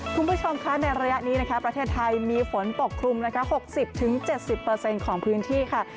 คุณผู้ชมคะในระยะนี้นะคะประเทศไทยมีฝนปกคลุมนะคะ๖๐๗๐ของพื้นที่ค่ะ